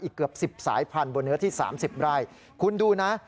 อีกเกือบ๑๐สายพันธุ์บนเนื้อที่๓๐ไรคุณดูน่ะ